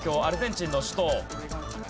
アルゼンチンの首都。